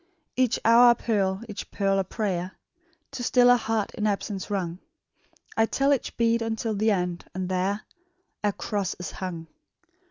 "Each hour a pearl, each pearl a prayer, To still a heart in absence wrung; I tell each bead unto the end, and there A cross is hung!